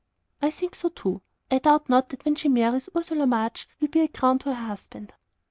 '" "I think so too. I doubt not that when she marries Ursula March will be 'a crown to her husband.'"